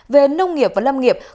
về nông nghiệp và lâm nghiệp